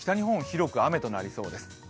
広く雨となりそうです。